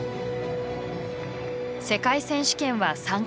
世界選手権は３回目。